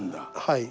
はい。